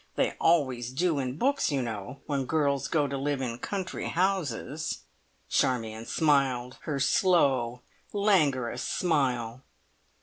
They always do in books, you know, when girls go to live in country houses." Charmion smiled her slow, languorous smile.